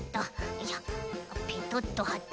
ペトッとはって。